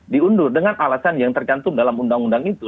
diundur dengan alasan yang tergantung dalam undang undang itu